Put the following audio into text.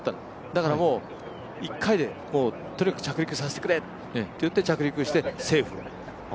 だからもう１回で、とにかく着陸させてくれといって着陸してセーフ。